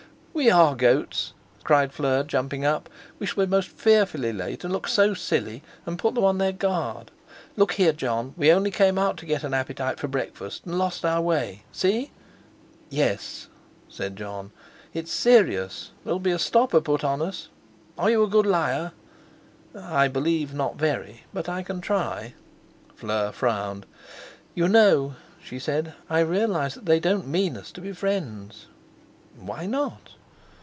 "We are goats!" cried Fleur, jumping up; "we shall be most fearfully late, and look so silly, and put them on their guard. Look here, Jon We only came out to get an appetite for breakfast, and lost our way. See?" "Yes," said Jon. "It's serious; there'll be a stopper put on us. Are you a good liar?" "I believe not very; but I can try." Fleur frowned. "You know," she said, "I realize that they don't mean us to be friends." "Why not?"